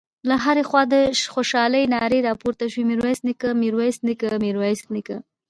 له هرې خوا د خوشالۍ نارې راپورته شوې: ميرويس نيکه، ميرويس نيکه، ميرويس نيکه….